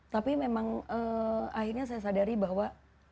tapi memang akhirnya saya sadari bahwa